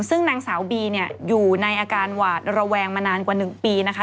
ซึ่งนางสาวบีเนี่ยอยู่ในอาการหวาดระแวงมานานกว่า๑ปีนะคะ